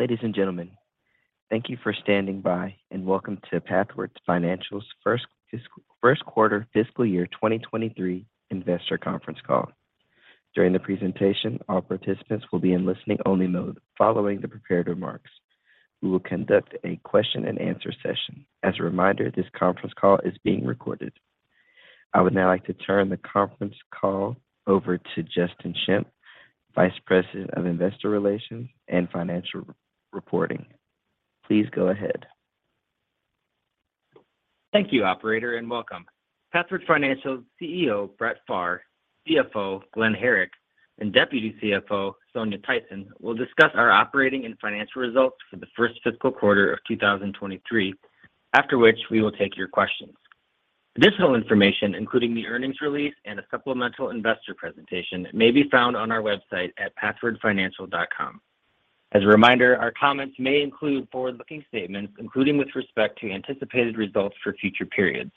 Ladies and gentlemen, thank you for standing by, and welcome to Pathward Financial's First Quarter Fiscal Year 2023 Investor Conference Call. During the presentation, all participants will be in listening only mode. Following the prepared remarks, we will conduct a question and answer session. As a reminder, this conference call is being recorded. I would now like to turn the conference call over to Justin Schempp, Vice President of Investor Relations and Financial Reporting. Please go ahead. Thank you, operator, welcome. Pathward Financial CEO Brett Pharr, CFO Glen Herrick, and Deputy CFO Sonja Theisen will discuss our operating and financial results for the first fiscal quarter of 2023. After which, we will take your questions. Additional information, including the earnings release and a supplemental investor presentation, may be found on our website at pathwardfinancial.com. As a reminder, our comments may include forward-looking statements, including with respect to anticipated results for future periods.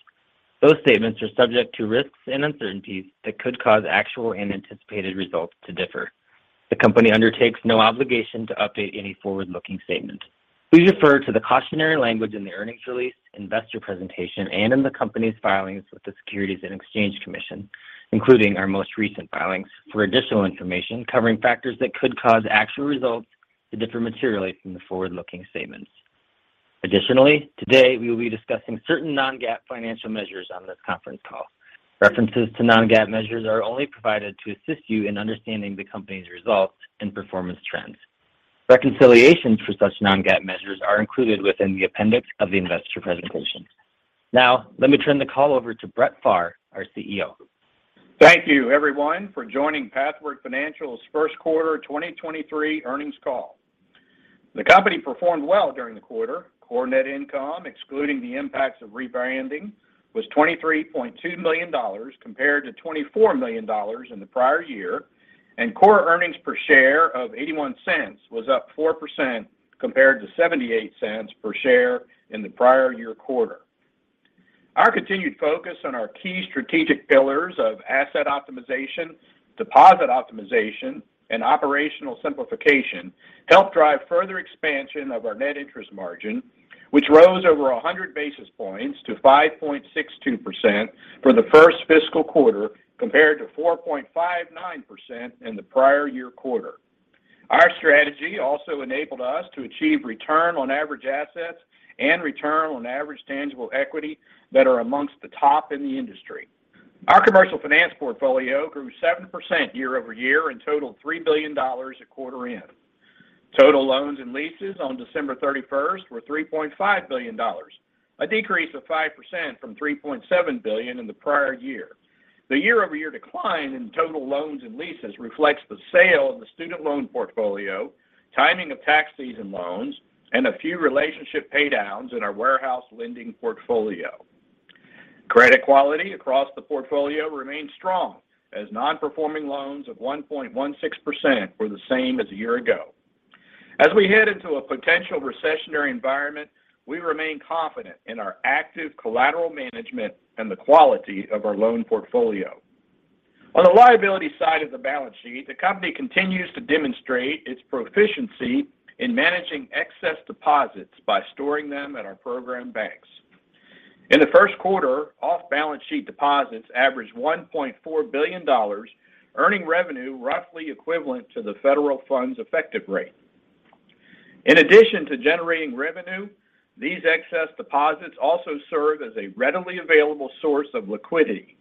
Those statements are subject to risks and uncertainties that could cause actual and anticipated results to differ. The company undertakes no obligation to update any forward-looking statement. Please refer to the cautionary language in the earnings release, investor presentation, and in the company's filings with the Securities and Exchange Commission, including our most recent filings for additional information covering factors that could cause actual results to differ materially from the forward-looking statements. Additionally, today we will be discussing certain non-GAAP financial measures on this conference call. References to non-GAAP measures are only provided to assist you in understanding the company's results and performance trends. Reconciliations for such non-GAAP measures are included within the appendix of the investor presentation. Now let me turn the call over to Brett Pharr, our CEO. Thank you everyone for joining Pathward Financial's first quarter 2023 earnings call. The company performed well during the quarter. Core net income, excluding the impacts of rebranding, was $23.2 million compared to $24 million in the prior year. Core earnings per share of $0.81 was up 4% compared to $0.78 per share in the prior year quarter. Our continued focus on our key strategic pillars of asset optimization, deposit optimization, and operational simplification helped drive further expansion of our net interest margin, which rose over 100 basis points to 5.62% for the first fiscal quarter, compared to 4.59% in the prior year quarter. Our strategy also enabled us to achieve return on average assets and return on average tangible equity that are amongst the top in the industry. Our commercial finance portfolio grew 7% year-over-year and totaled $3 billion at quarter end. Total loans and leases on December 31st were $3.5 billion, a decrease of 5% from $3.7 billion in the prior year. The year-over-year decline in total loans and leases reflects the sale of the student loan portfolio, timing of tax season loans, and a few relationship paydowns in our warehouse lending portfolio. Credit quality across the portfolio remained strong as Non-Performing Loans of 1.16% were the same as a year ago. As we head into a potential recessionary environment, we remain confident in our active collateral management and the quality of our loan portfolio. On the liability side of the balance sheet, the company continues to demonstrate its proficiency in managing excess deposits by storing them at our program banks. In the first quarter, off balance sheet deposits averaged $1.4 billion, earning revenue roughly equivalent to the federal funds effective rate. In addition to generating revenue, these excess deposits also serve as a readily available source of liquidity.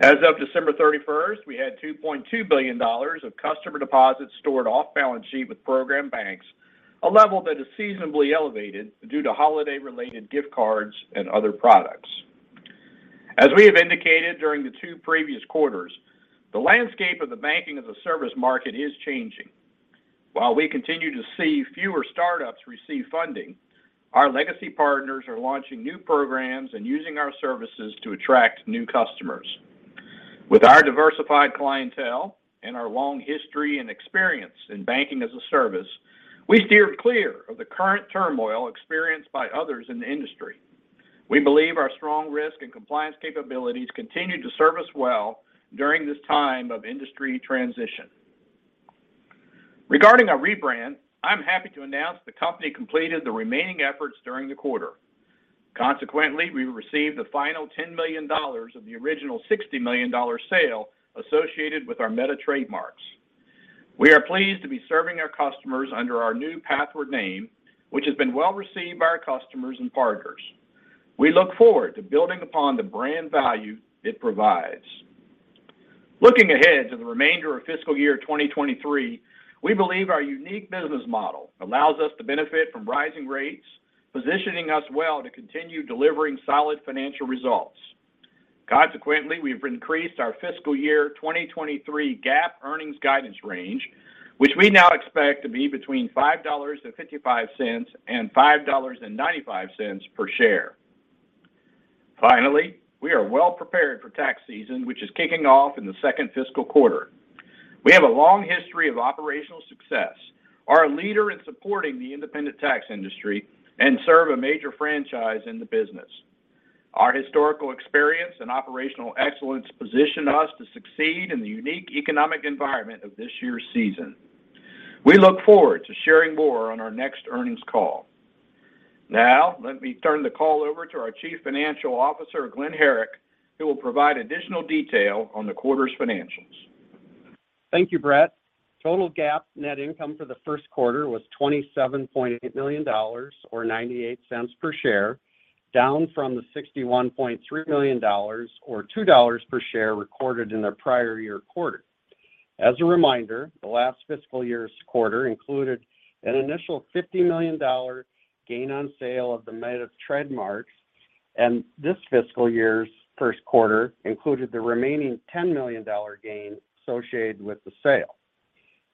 As of December 31st, we had $2.2 billion of customer deposits stored off balance sheet with program banks, a level that is seasonably elevated due to holiday related gift cards and other products. As we have indicated during the two previous quarters, the landscape of the banking as a service market is changing. While we continue to see fewer startups receive funding, our legacy partners are launching new programs and using our services to attract new customers. With our diversified clientele and our long history and experience in banking as a service, we steered clear of the current turmoil experienced by others in the industry. We believe our strong risk and compliance capabilities continue to serve us well during this time of industry transition. Regarding our rebrand, I'm happy to announce the company completed the remaining efforts during the quarter. Consequently, we received the final $10 million of the original $60 million sale associated with our Meta trademarks. We are pleased to be serving our customers under our new Pathward name, which has been well received by our customers and partners. We look forward to building upon the brand value it provides. Looking ahead to the remainder of fiscal year 2023, we believe our unique business model allows us to benefit from rising rates, positioning us well to continue delivering solid financial results. Consequently, we've increased our fiscal year 2023 GAAP earnings guidance range, which we now expect to be between $5.55 and $5.95 per share. Finally, we are well prepared for tax season, which is kicking off in the second fiscal quarter. We have a long history of operational success. Are a leader in supporting the independent tax industry and serve a major franchise in the business. Our historical experience and operational excellence position us to succeed in the unique economic environment of this year's season. We look forward to sharing more on our next earnings call. Now, let me turn the call over to our Chief Financial Officer, Glen Herrick, who will provide additional detail on the quarter's financials. Thank you, Brett. Total GAAP net income for the first quarter was $27.8 million, or $0.98 per share, down from the $61.3 million, or $2.00 per share recorded in the prior year quarter. As a reminder, the last fiscal year's quarter included an initial $50 million gain on sale of the Meta trademarks, and this fiscal year's first quarter included the remaining $10 million gain associated with the sale.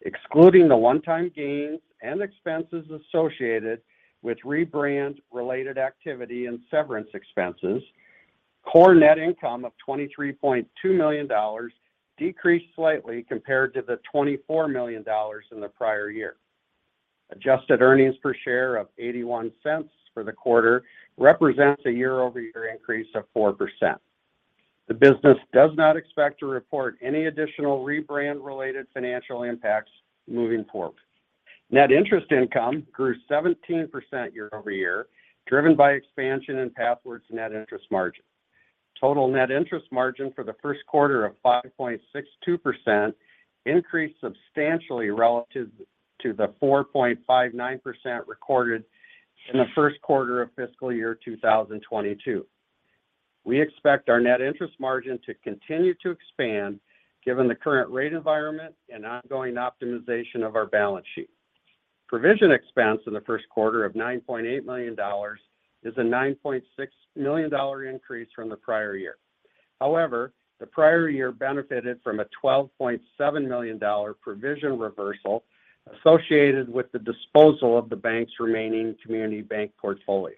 Excluding the one-time gains and expenses associated with rebrand-related activity and severance expenses, core net income of $23.2 million decreased slightly compared to the $24 million in the prior year. Adjusted earnings per share of $0.81 for the quarter represents a year-over-year increase of 4%. The business does not expect to report any additional rebrand-related financial impacts moving forward. Net interest income grew 17% year-over-year, driven by expansion in Pathward's net interest margin. Total net interest margin for the first quarter of 5.62% increased substantially relative to the 4.59% recorded in the first quarter of fiscal year 2022. We expect our net interest margin to continue to expand given the current rate environment and ongoing optimization of our balance sheet. Provision expense in the first quarter of $9.8 million is a $9.6 million increase from the prior year. The prior year benefited from a $12.7 million provision reversal associated with the disposal of the bank's remaining community bank portfolio.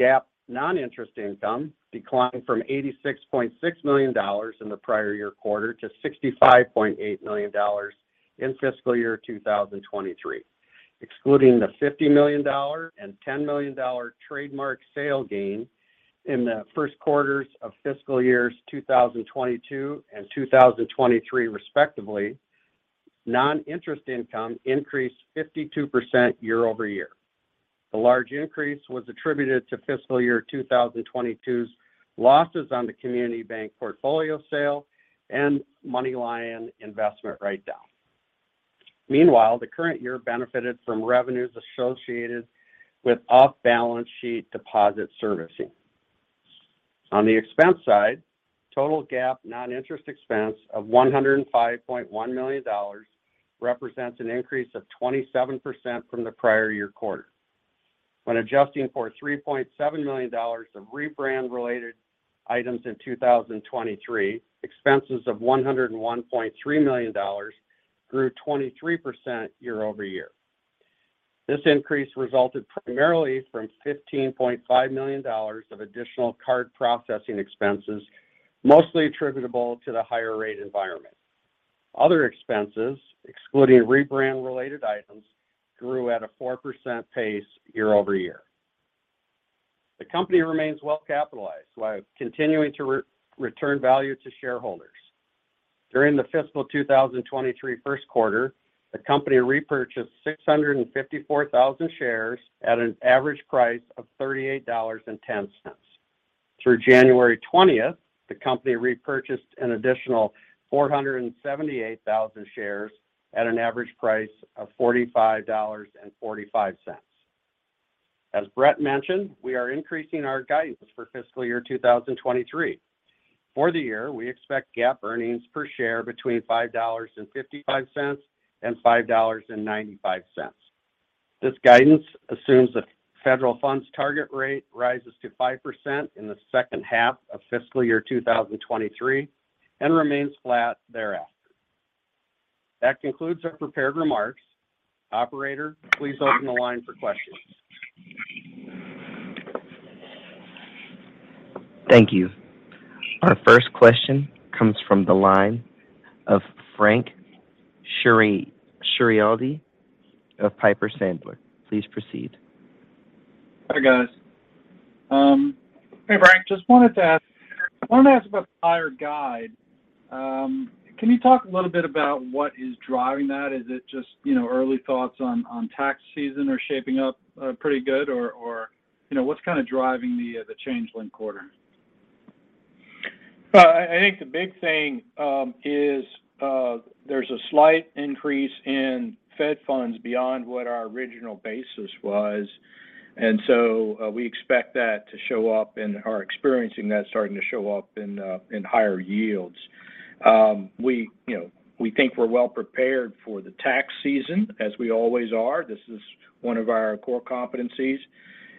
GAAP non-interest income declined from $86.6 million in the prior year quarter to $65.8 million in fiscal year 2023. Excluding the $50 million and $10 million trademark sale gain in the first quarters of fiscal years 2022 and 2023 respectively, non-interest income increased 52% year-over-year. The large increase was attributed to fiscal year 2022's losses on the community bank portfolio sale and MoneyLion investment write down. Meanwhile, the current year benefited from revenues associated with off-balance sheet deposit servicing. On the expense side, total GAAP non-interest expense of $105.1 million represents an increase of 27% from the prior year quarter. When adjusting for $3.7 million of rebrand-related items in 2023, expenses of $101.3 million grew 23% year-over-year. This increase resulted primarily from $15.5 million of additional card processing expenses, mostly attributable to the higher rate environment. Other expenses, excluding rebrand-related items, grew at a 4% pace year-over-year. The company remains well capitalized while continuing to return value to shareholders. During the fiscal 2023 first quarter, the company repurchased 654,000 shares at an average price of $38.10. Through January 20th, the company repurchased an additional 478,000 shares at an average price of $45.45. As Brett mentioned, we are increasing our guidance for fiscal year 2023. For the year, we expect GAAP earnings per share between $5.55 and $5.95. This guidance assumes the federal funds target rate rises to 5% in the second half of fiscal year 2023 and remains flat thereafter. That concludes our prepared remarks. Operator, please open the line for questions. Thank you. Our first question comes from the line of Frank Schiraldi of Piper Sandler. Please proceed. Hi, guys. Hey, Frank. I wanted to ask about the higher guide. Can you talk a little bit about what is driving that? Is it just, you know, early thoughts on tax season are shaping up pretty good? Or, you know, what's kinda driving the change in quarter? Well, I think the big thing is there's a slight increase in Fed funds beyond what our original basis was. We expect that to show up and are experiencing that starting to show up in higher yields. We, you know, we think we're well prepared for the tax season, as we always are. This is one of our core competencies.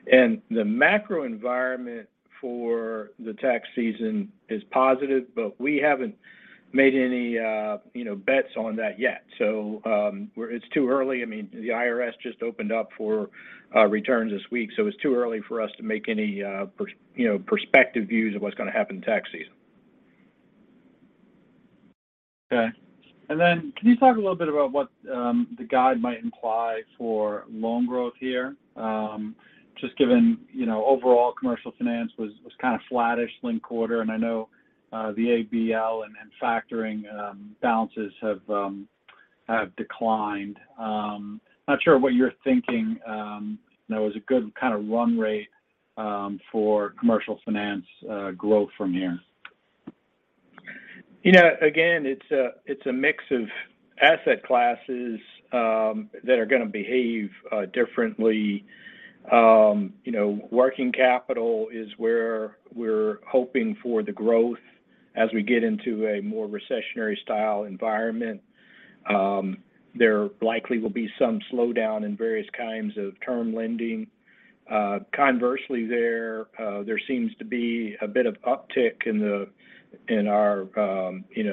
The macro environment for the tax season is positive, but we haven't made any, you know, bets on that yet. It's too early. I mean, the IRS just opened up for returns this week, so it's too early for us to make any, you know, perspective views of what's gonna happen tax season. Okay. Can you talk a little bit about what the guide might imply for loan growth here? Just given, you know, overall commercial finance was kind of flattish linked quarter, and I know the ABL and factoring balances have declined. Not sure what you're thinking, you know, is a good kind of run rate for commercial finance growth from here? You know, again, it's a mix of asset classes that are gonna behave differently. You know, working capital is where we're hoping for the growth as we get into a more recessionary style environment. There likely will be some slowdown in various kinds of term lending. Conversely, there seems to be a bit of uptick in our, you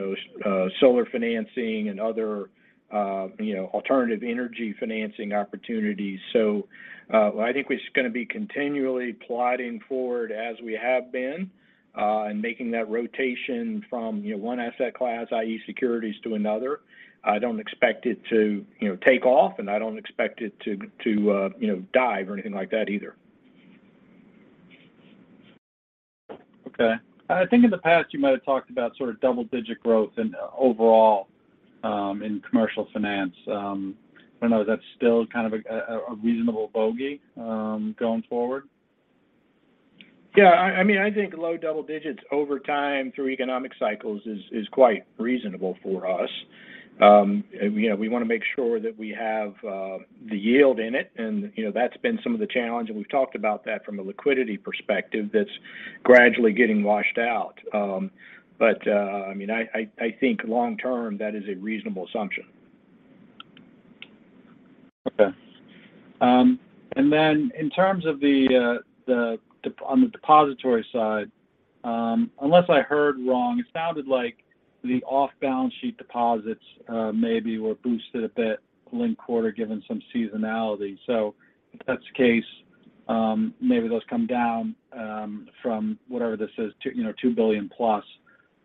know, solar financing and other, you know, alternative energy financing opportunities. I think it's gonna be continually plodding forward as we have been and making that rotation from, you know, one asset class, i.e. securities, to another. I don't expect it to, you know, take off, and I don't expect it to, you know, dive or anything like that either. Okay. I think in the past you might have talked about sort of double-digit growth in overall, in commercial finance. I don't know, is that still kind of a reasonable bogey, going forward? Yeah. I mean, I think low double digits over time through economic cycles is quite reasonable for us. You know, we wanna make sure that we have the yield in it. You know, that's been some of the challenge, and we've talked about that from a liquidity perspective that's gradually getting washed out. I mean, I think long term, that is a reasonable assumption. Okay. And then in terms of the on the depository side, unless I heard wrong, it sounded like the off-balance sheet deposits maybe were boosted a bit linked quarter given some seasonality. So if that's the case, maybe those come down from whatever this is, two, you know, $2 billion+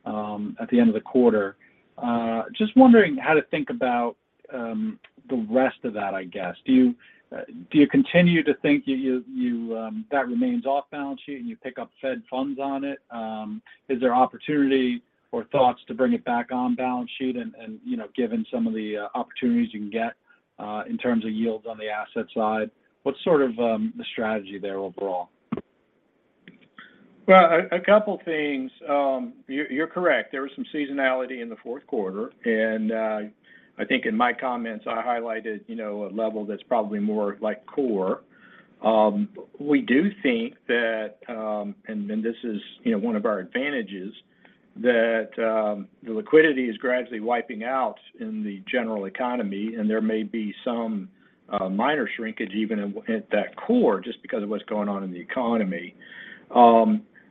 at the end of the quarter. Just wondering how to think about the rest of that, I guess. Do you continue to think you that remains off balance sheet and you pick up Fed funds on it? Is there opportunity or thoughts to bring it back on balance sheet and, you know, given some of the opportunities you can get in terms of yields on the asset side? What's sort of the strategy there overall? Well, a couple things. You're correct. There was some seasonality in the fourth quarter. I think in my comments I highlighted, you know, a level that's probably more like core. We do think that, and then this is, you know, one of our advantages that, the liquidity is gradually wiping out in the general economy, and there may be some minor shrinkage even at that core just because of what's going on in the economy.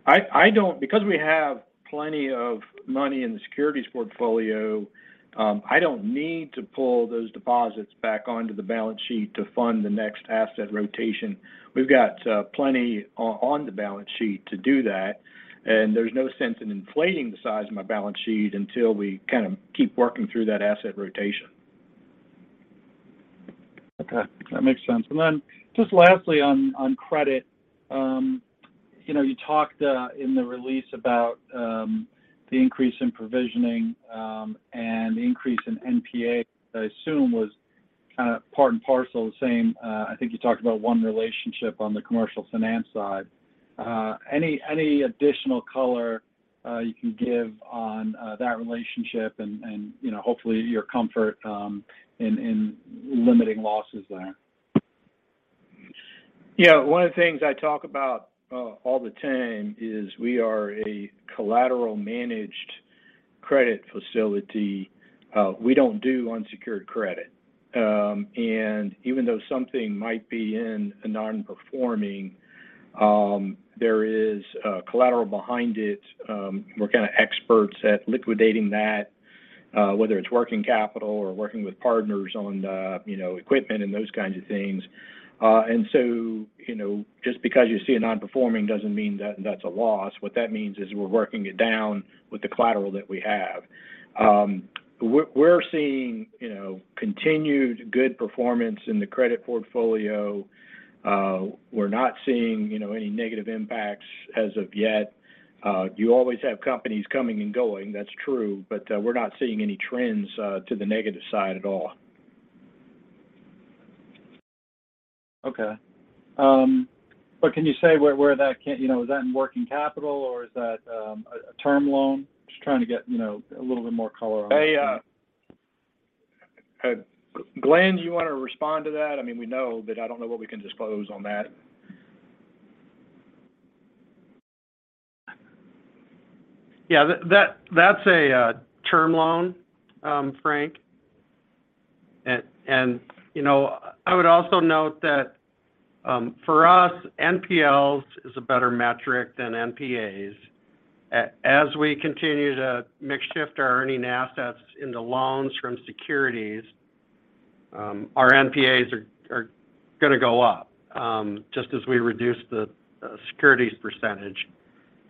I don't. Because we have plenty of money in the securities portfolio, I don't need to pull those deposits back onto the balance sheet to fund the next asset rotation. We've got plenty on the balance sheet to do that. There's no sense in inflating the size of my balance sheet until we kind of keep working through that asset rotation. Okay. That makes sense. Then just lastly on credit, you know, you talked in the release about the increase in provisioning and the increase in NPA that I assume was kind of part and parcel the same. I think you talked about one relationship on the commercial finance side. Any additional color you can give on that relationship and, you know, hopefully your comfort in limiting losses there? Yeah. One of the things I talk about all the time is we are a collateral-managed credit facility. We don't do unsecured credit. Even though something might be in a non-performing, there is collateral behind it. We're kind of experts at liquidating that, whether it's working capital or working with partners on the, you know, equipment and those kinds of things. Just because you see a non-performing doesn't mean that that's a loss. What that means is we're working it down with the collateral that we have. We're seeing, you know, continued good performance in the credit portfolio. We're not seeing, you know, any negative impacts as of yet. You always have companies coming and going, that's true, we're not seeing any trends to the negative side at all. Okay. Can you say where that? You know, is that in working capital or is that a term loan? Just trying to get, you know, a little bit more color on that. Hey, Glen, do you want to respond to that? I mean, we know, but I don't know what we can disclose on that. Yeah. That, that's a term loan, Frank. You know, I would also note that, for us, NPLs is a better metric than NPAs. As we continue to mix shift our earning assets into loans from securities, our NPAs are gonna go up, just as we reduce the securities percentage.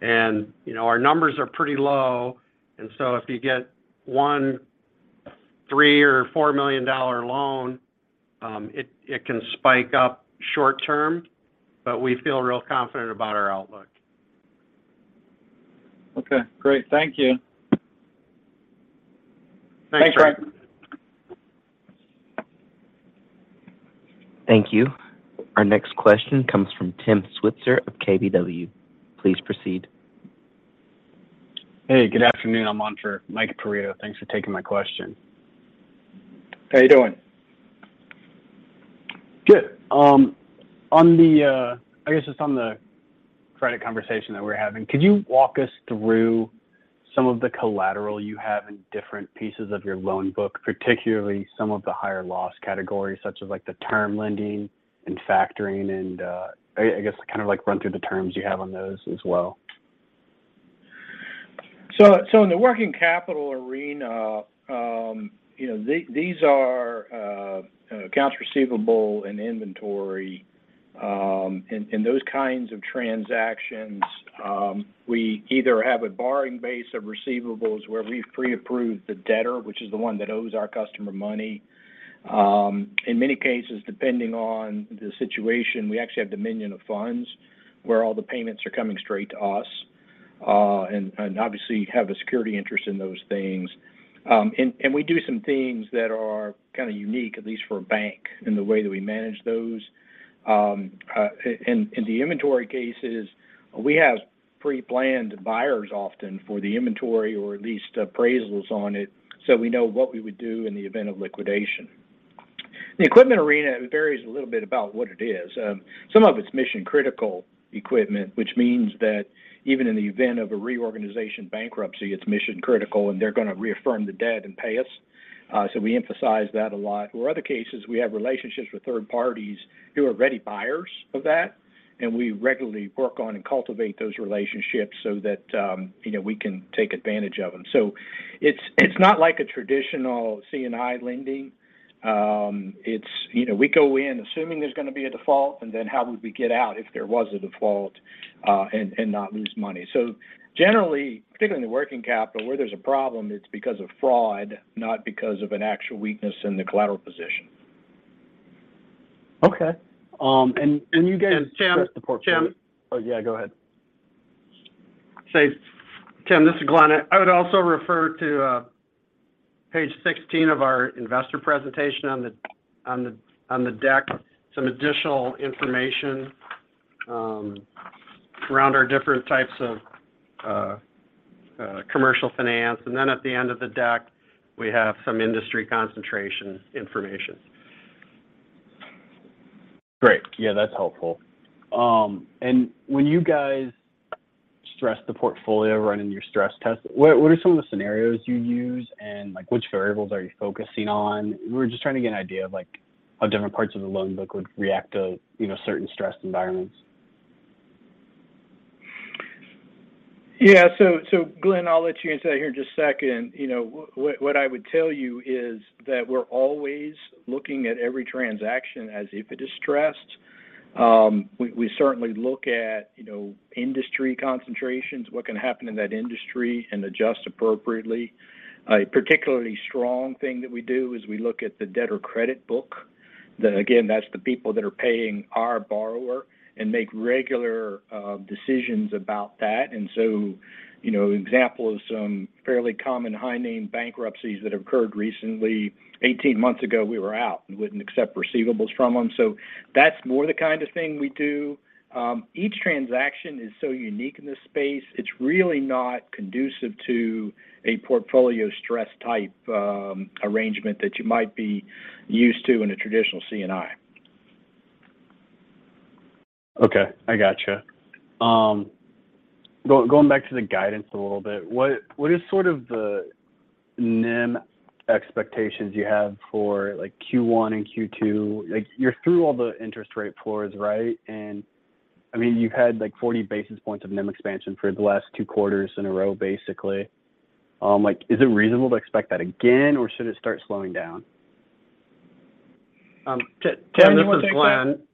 You know, our numbers are pretty low. If you get $1, $3, or $4 million dollar loan, it can spike up short term. We feel real confident about our outlook. Okay, great. Thank you. Thanks, Frank. Thanks. Thank you. Our next question comes from Tim Switzer of KBW. Please proceed. Hey, good afternoon. I'm on for Michael Perito. Thanks for taking my question. How you doing? Good. On the... I guess just on the credit conversation that we're having, could you walk us through some of the collateral you have in different pieces of your loan book, particularly some of the higher loss categories, such as, like, the term lending and factoring and, I guess kind of, like, run through the terms you have on those as well? In the working capital arena, you know, these are accounts receivable and inventory. In those kinds of transactions, we either have a borrowing base of receivables where we've pre-approved the debtor, which is the one that owes our customer money. In many cases, depending on the situation, we actually have dominion of funds where all the payments are coming straight to us. Obviously have a security interest in those things. We do some things that are kind of unique, at least for a bank, in the way that we manage those. In the inventory cases, we have pre-planned buyers often for the inventory or at least appraisals on it, so we know what we would do in the event of liquidation. The equipment arena varies a little bit about what it is. Some of it's mission critical equipment, which means that even in the event of a reorganization bankruptcy, it's mission critical, and they're gonna reaffirm the debt and pay us. We emphasize that a lot. Other cases, we have relationships with third parties who are ready buyers of that, and we regularly work on and cultivate those relationships so that, you know, we can take advantage of them. It's, it's not like a traditional C&I lending. It's... You know, we go in assuming there's gonna be a default, and then how would we get out if there was a default, and not lose money. Generally, particularly in the working capital, where there's a problem, it's because of fraud, not because of an actual weakness in the collateral position. Okay. you guys- Tim. Oh, yeah, go ahead. Say, Tim, this is Glen. I would also refer to page 16 of our investor presentation on the deck some additional information around our different types of commercial finance. Then at the end of the deck, we have some industry concentration information. Great. Yeah, that's helpful. When you guys stress the portfolio running your stress test, what are some of the scenarios you use, and, like, which variables are you focusing on? We're just trying to get an idea of, like, how different parts of the loan book would react to, you know, certain stress environments. Yeah. Glenn, I'll let you answer that here in just a second. You know, what I would tell you is that we're always looking at every transaction as if it is stressed. We certainly look at, you know, industry concentrations, what can happen in that industry and adjust appropriately. A particularly strong thing that we do is we look at the debtor credit book. Again, that's the people that are paying our borrower and make regular decisions about that. Example is some fairly common high-name bankruptcies that occurred recently. 18 months ago we were out and wouldn't accept receivables from them. That's more the kind of thing we do. Each transaction is so unique in this space. It's really not conducive to a portfolio stress type, arrangement that you might be used to in a traditional C&I. Okay. I gotcha. going back to the guidance a little bit, what is sort of the NIM expectations you have for, like, Q1 and Q2? Like, you're through all the interest rate floors, right? And I mean, you've had, like, 40 basis points of NIM expansion for the last two quarters in a row, basically. Like, is it reasonable to expect that again, or should it start slowing down? Tim, this is Glen. Glen, you wanna take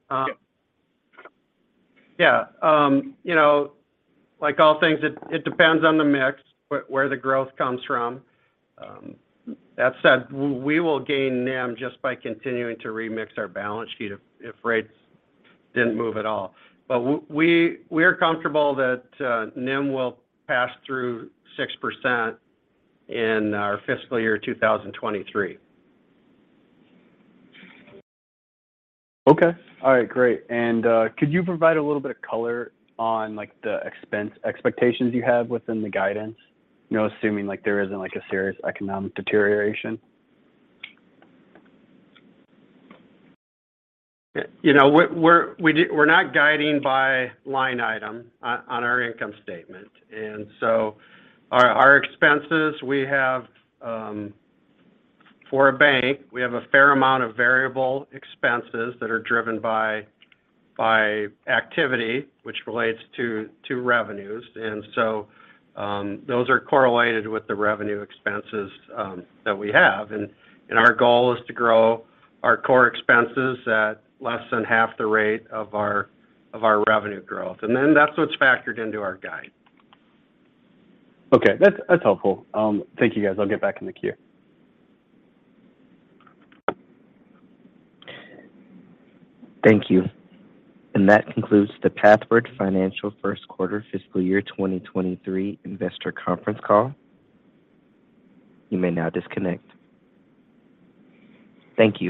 that? Um- Yeah. Yeah. you know, like all things, it depends on the mix, where the growth comes from. that said, we will gain NIM just by continuing to remix our balance sheet if rates didn't move at all. we're comfortable that NIM will pass through 6% in our fiscal year 2023. Okay. All right, great. Could you provide a little bit of color on, like, the expense expectations you have within the guidance? You know, assuming, like, there isn't, like, a serious economic deterioration? You know, we're not guiding by line item on our income statement. Our expenses we have, for a bank, we have a fair amount of variable expenses that are driven by activity which relates to revenues. Those are correlated with the revenue expenses that we have. Our goal is to grow our core expenses at less than half the rate of our revenue growth. That's what's factored into our guide. Okay. That's helpful. Thank you, guys. I'll get back in the queue. Thank you. That concludes the Pathward Financial first quarter fiscal year 2023 investor conference call. You may now disconnect. Thank you.